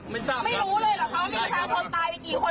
ไม่รู้หรอกคะ